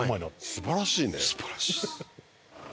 素晴らしいっす。